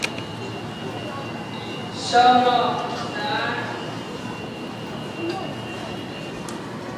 Son môr nẑañ.